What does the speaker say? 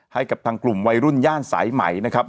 ให้กับทางกลุ่มวัยรุ่นย่านสายไหมนะครับ